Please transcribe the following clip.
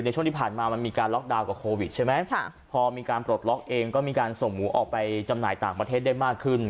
ช่วงที่ผ่านมามันมีการล็อกดาวน์กับโควิดใช่ไหมพอมีการปลดล็อกเองก็มีการส่งหมูออกไปจำหน่ายต่างประเทศได้มากขึ้น